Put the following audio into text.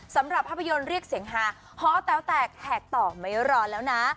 สำหรับภาพยนตร์เรียกเสียงฮาฮอแต๋วแตกแหกต่อไม่ร้อนแล้วนะ